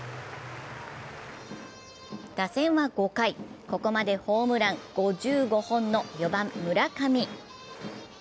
打線は５回、ここまでホームラン５５本の４番・村上。